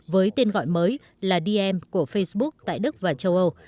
với tên gọi mới là dm của facebook tại đức và châu âu